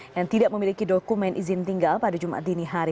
yang tidak memiliki dokumen izin tinggal pada jumat dinihari